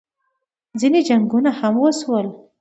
ځینې جنګونه هم وشول